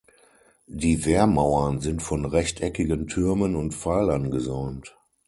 Die Wehrmauern sind von rechteckigen Türmen und Pfeilern gesäumt.